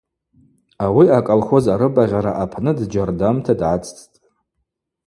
Ауи аколхоз арыбагъьара апны дджьардамта дгӏацӏцӏтӏ.